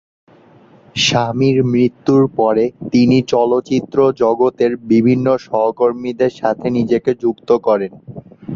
স্বামীর মৃত্যুর পরে তিনি চলচ্চিত্র জগতের বিভিন্ন সহকর্মীদের সাথে নিজেকে যুক্ত করেন।